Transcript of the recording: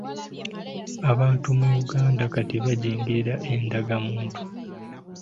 Abantu mu Uganda kati bajingirira endagamuntu.